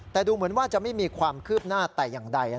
แต่ดูเหมือนว่าจะไม่มีความคืบหน้าแต่อย่างใด